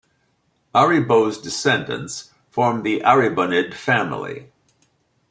Aribo's descendants formed the Aribonid family.